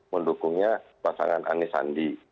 mendukungnya pasangan anisandi